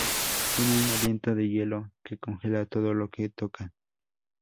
Tienen un aliento de hielo que congela todo lo que tocan.